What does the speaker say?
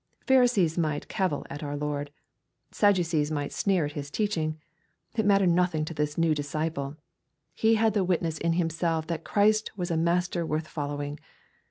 Pharisees might cavil at our Lord. Sadduceea might sneer at His teaching. It mattered nothing to this new disciple. He had the witness in himself that Christ was a Master worth following.